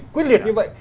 quyết liệt như vậy